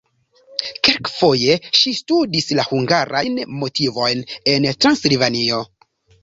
Kelkfoje ŝi studis la hungarajn motivojn en Transilvanio.